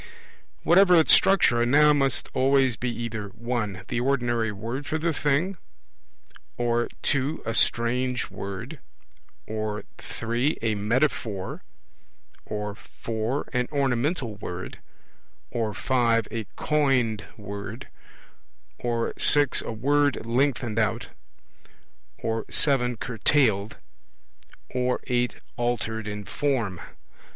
Whatever its structure, a Noun must always be either (1) the ordinary word for the thing, or (2) a strange word, or (3) a metaphor, or (4) an ornamental word, or (5) a coined word, or (6) a word lengthened out, or (7) curtailed, or (8) altered in form.